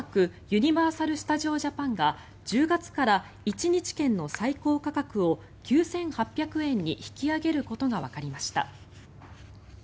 ユニバーサル・スタジオ・ジャパンが１０月から１日券の最高価格を９８００円に引き上げることがわかりました。